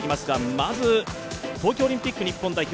まず東京オリンピック日本代表